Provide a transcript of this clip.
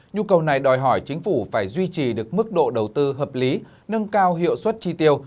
nhu cầu này đòi hỏi chính phủ phải duy trì được mức độ đầu tư hợp lý nâng cao hiệu suất chi tiêu